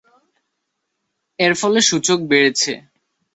এর ফলে সূচক বেড়েছে।